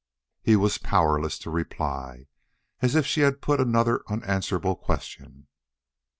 He was powerless to reply, as if she had put another unanswerable question.